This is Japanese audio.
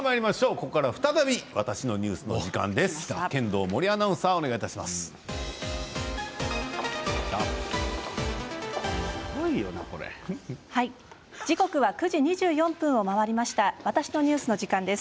ここからは再び「わたしのニュース」の時間です。